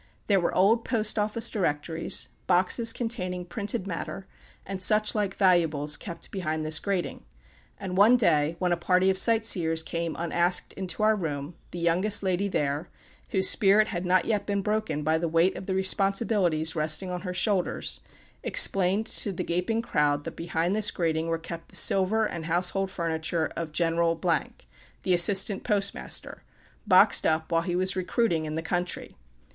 There were old Post office Directories, boxes containing printed matter, and such like valuables, kept behind this grating; and one day, when a party of sightseers came unasked into our room, the youngest lady there whose spirit had not yet been broken by the weight of the responsibilities resting on her shoulders explained to the gaping crowd that behind this grating were kept the silver and household furniture of General , the assistant postmaster boxed up, while he was recruiting in the country.